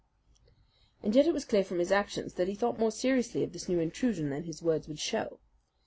And yet it was clear from his actions that he thought more seriously of this new intrusion than his words would show.